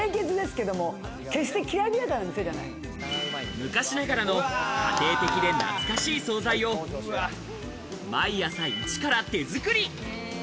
昔ながらの家庭的で懐かしい総菜を毎朝イチから手作り。